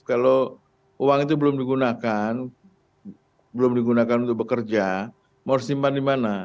kalau uang itu belum digunakan belum digunakan untuk bekerja mau harus simpan di mana